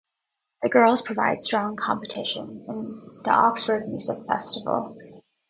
The girls provide strong competition in the Oxford Music Festival.